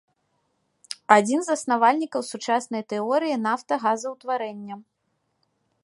Адзін з заснавальнікаў сучаснай тэорыі нафтагазаўтварэння.